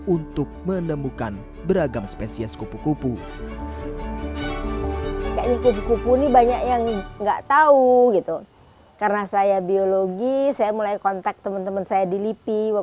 untuk menemukan beratnya